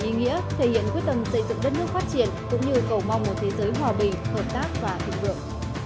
ý nghĩa thể hiện quyết tâm xây dựng đất nước phát triển cũng như cầu mong một thế giới tốt hơn